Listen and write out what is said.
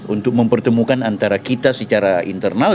untuk mempertemukan antara kita secara internal